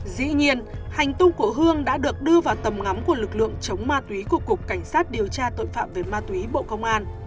dĩ nhiên hành tung của hương đã được đưa vào tầm ngắm của lực lượng chống ma túy của cục cảnh sát điều tra tội phạm về ma túy bộ công an